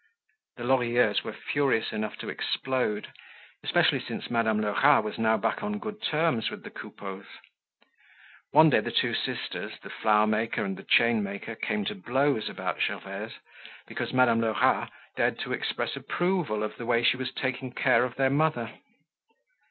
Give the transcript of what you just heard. The Lorilleux were furious enough to explode, especially since Madame Lerat was now back on good terms with the Coupeaus. One day the two sisters, the flower maker and the chainmaker came to blows about Gervaise because Madame Lerat dared to express approval of the way she was taking care of their mother.